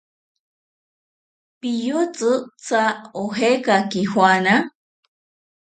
¿Piyotzi tya ojekaki juana?